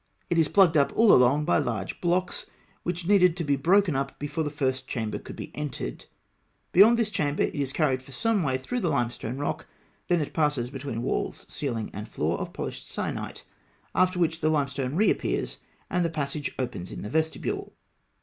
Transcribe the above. It is plugged up all along by large blocks (Note 33), which needed to be broken up before the first chamber could be entered (C). Beyond this chamber, it is carried for some way through the limestone rock; then it passes between walls, ceiling and floor of polished syenite; after which the limestone re appears, and the passage opens into the vestibule (E).